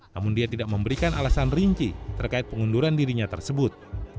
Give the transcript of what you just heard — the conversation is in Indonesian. namun dia tidak memberikan alasan rinci terkait pengunduran dirinya tersebut